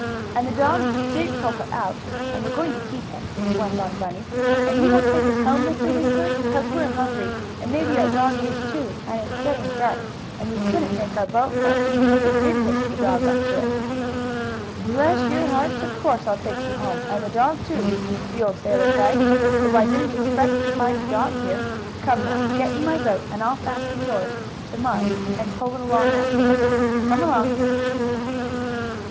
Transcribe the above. "And the dog did pull her out, and we're going to keep him," went on Bunny. "And will you take us home, Mr. Winkler? 'Cause we're hungry, and maybe our dog is, too, and it's getting dark, and we couldn't make our boat go, even if we did hitch the dog up to it." "Bless your hearts, of course I'll take you home, and the dog, too!" the old sailor cried, "though I didn't expect to find a dog here. Come now, get in my boat, and I'll fasten yours to mine, and pull it along after me. Come along!"